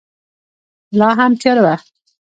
لا هم تیاره وه.